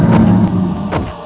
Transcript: aku akan menembakmu